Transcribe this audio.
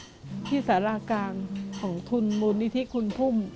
คุณผู้ช่วยให้รักษาตรากางของทุนมูลนิธิคุณพุ่ม